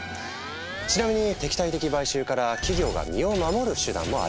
ちなみに敵対的買収から企業が身を守る手段もある。